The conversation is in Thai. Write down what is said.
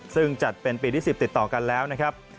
ซึ่งจัดเป็นปีที่๑๐ติดต่อกันแล้วนะครับ